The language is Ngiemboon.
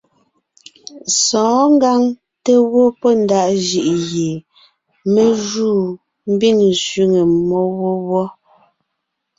Sɔ̌ɔn ngǎŋ té gwɔ́ pɔ́ ndaʼ jʉʼ gie me júu mbiŋ sẅiŋe mmó wó wɔ́.